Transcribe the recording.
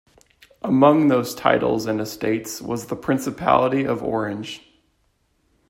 Among those titles and estates was the Principality of Orange.